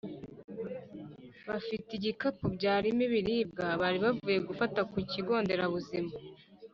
bafite ibikapu byarimo ibiribwa bari bavuye gufata ku kigo nderabuzima.